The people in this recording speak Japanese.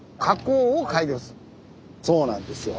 そうなんですよ。